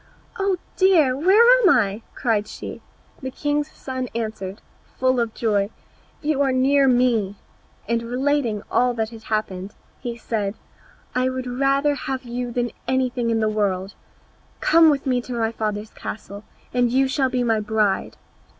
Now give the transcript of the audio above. "Oh dear! where am I?" cried she. The king's son answered, full of joy, "You are near me," and, relating all that had happened, he said, "I would rather have you than anything in the world; come with me to my father's castle and you shall be my bride."